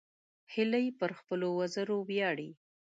هیلۍ پر خپلو وزرو ویاړي